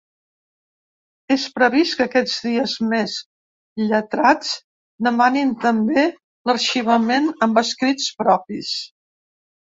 És previst que aquests dies més lletrats demanin també l’arxivament amb escrits propis.